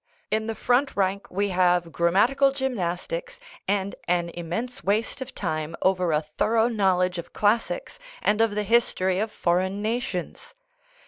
In the front rank we have grammatical gymnastics and an immense waste of time over a " thorough knowledge " of classics and of the history of foreign nations.